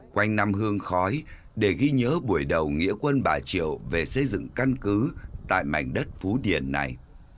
quanh năm hương khói để ghi nhớ buổi đầu nghĩa quân bà triệu về xây dựng căn cứ tại mảnh đất phú điền này